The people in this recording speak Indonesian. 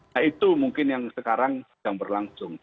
nah itu mungkin yang sekarang sedang berlangsung